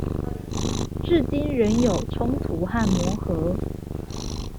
至今仍有衝突和磨合